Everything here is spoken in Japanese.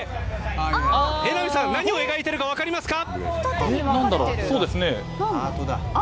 榎並さん、何を描いているか分かりますか？